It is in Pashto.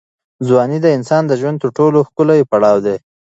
ځواني د انسان د ژوند تر ټولو ښکلی پړاو دی.